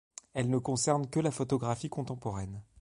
Elle ne concerne que la photographie contemporaine.